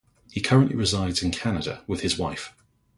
He currently resides in Canada with his Wife.